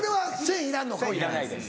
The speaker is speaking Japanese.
いらないです。